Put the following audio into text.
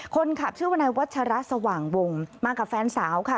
คนขับชื่อวนายวัชระสว่างวงมากับแฟนสาวค่ะ